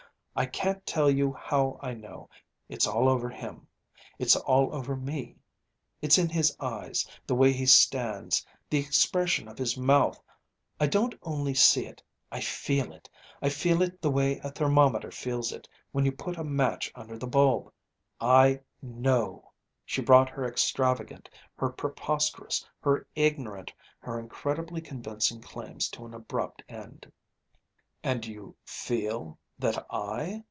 I can't tell you how I know it's all over him it's all over me it's his eyes, the way he stands, the expression of his mouth I don't only see it I feel it I feel it the way a thermometer feels it when you put a match under the bulb ... I know!" She brought her extravagant, her preposterous, her ignorant, her incredibly convincing claims to an abrupt end. "And you 'feel' that I